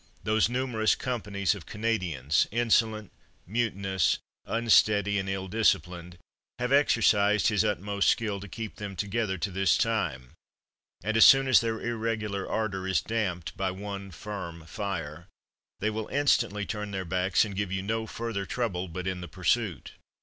Those numerous companies of Canadians, insolent, mutinous, un steady, and ill disciplined, have exercised his ut most skill to keep them together to this time ; and, as soon as their irregular ardor is damped by one firm fire, they will instantly turn their backs, and give you no further trouble but in the pursuit.